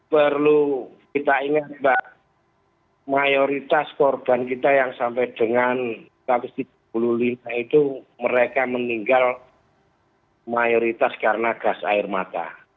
perlu kita ingat mbak mayoritas korban kita yang sampai dengan satu ratus tiga puluh lima itu mereka meninggal mayoritas karena gas air mata